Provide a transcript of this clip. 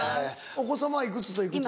お子様はいくつといくつ？